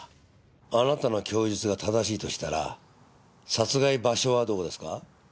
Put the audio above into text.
あなたの供述が正しいとしたら殺害場所はどこですか？